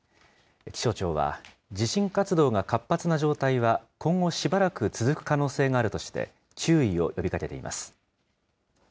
気象庁は、地震活動が活発な状態は今後しばらく続く可能性があるとして、注意を呼びかけています。